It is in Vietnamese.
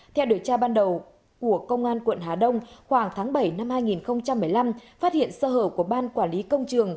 theo điều tra ban đầu của công an quận hà đông khoảng tháng bảy năm hai nghìn một mươi năm phát hiện sơ hở của ban quản lý công trường